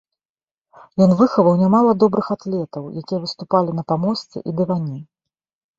Ён выхаваў нямала добрых атлетаў, якія выступалі на памосце і дыване.